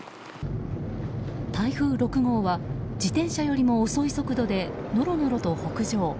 台風６号は自転車よりも遅い速度でノロノロと北上。